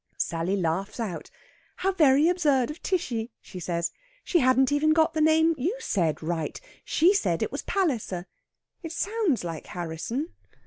Sally laughs out. "How very absurd of Tishy!" she says. "She hadn't even got the name you said right. She said it was Palliser. It sounds like Harrisson."